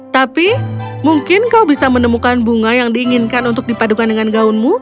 tapi mungkin kau bisa menemukan bunga yang diinginkan untuk dipadukan dengan gaunmu